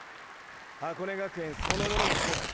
箱根学園そのものもそうだ。